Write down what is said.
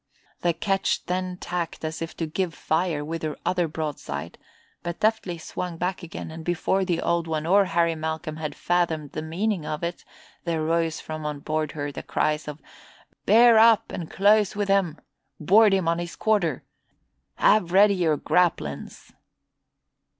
The ketch then tacked as if to give fire with her other broadside but deftly swung back again and before the Old One or Harry Malcolm had fathomed the meaning of it there rose from on board her, the cries of "Bear up and close with him!" "Board him on his quarter!" "Have ready your graplins!"